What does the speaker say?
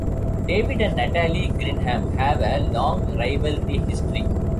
David and Natalie Grinham have a long rivalry history.